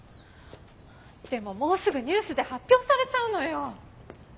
でももうすぐニュースで発表されちゃうのよ。